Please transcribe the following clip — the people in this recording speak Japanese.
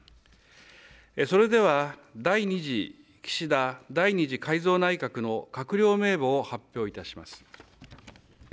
それでは第２次岸田第２次改造内閣の閣僚名簿を発表いたします。